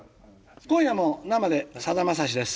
「今夜も生でさだまさし」です。